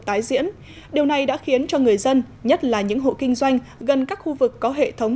tái diễn điều này đã khiến cho người dân nhất là những hộ kinh doanh gần các khu vực có hệ thống